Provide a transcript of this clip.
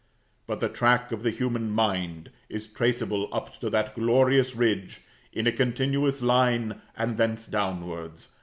But the track of the human mind is traceable up to that glorious ridge, in a continuous line, and thence downwards.